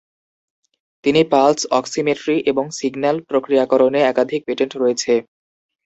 তিনি pulse oximetry এবং signal প্রক্রিয়াকরণে একাধিক পেটেন্ট রয়েছে।